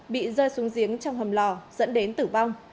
bị rơi xuống giếng trong hầm lò dẫn đến tử vong